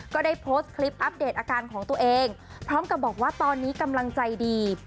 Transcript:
ก็ได้โพสต์คลิปอัปเดตอาการของตัวเองพร้อมกับบอกว่าตอนนี้กำลังใจดี